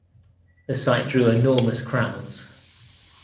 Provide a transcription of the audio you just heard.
The site drew enormous crowds.